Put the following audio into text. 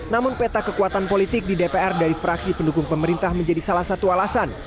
namun peta kekuatan politik di dpr dari fraksi pendukung pemerintah menjadi salah satu alasan